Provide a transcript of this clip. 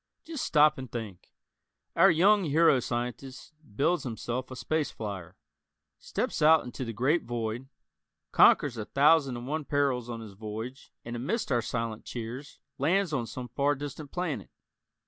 Just stop and think. Our young hero scientist builds himself a space flyer, steps out into the great void, conquers a thousand and one perils on his voyage and amidst our silent cheers lands on some far distant planet.